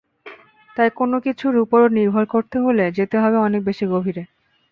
তাই কোনো কিছুর ওপর নির্ভর করতে হলে যেতে হবে অনেক বেশি গভীরে।